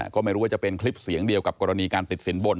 ก็ไม่รู้ว่าจะเป็นคลิปเสียงเดียวกับกรณีการติดสินบน